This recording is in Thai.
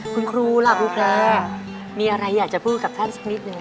คุณครูล่ะครูแคระมีอะไรอยากจะพูดกับท่านสมิทร์เลย